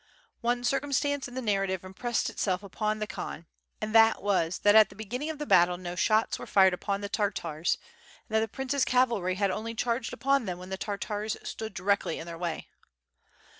One circumstance in the narrative impressed itself upon the Khan, and that was that at the beginning of the battle no shots were fired upon the Tartars, and that the Prince's cavalry had only charged upon them when the Tartars stood directly in their way.